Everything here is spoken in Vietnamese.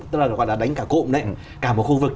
tức là đánh cả cụm đấy cả một khu vực